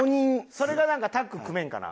それがなんかタッグ組めんかな？